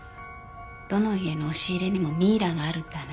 どの家の押し入れにもミイラがあるって話。